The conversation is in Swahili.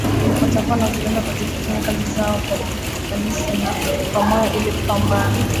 watakuwa na uzalendo katika kufanya kazi zao kwa ufanisi na kwa moyo ili kupambana